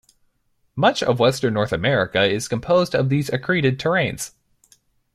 Much of western North America is composed of these accreted terranes.